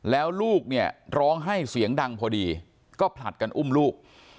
แล้วลูกเนี่ยร้องให้เสียงดังพอดีก็ผลัดกันอุ้มลูก